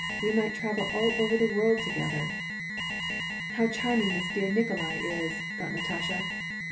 We might travel all over the world together !"" How charming this dear Nikolai is !" thought Natasha.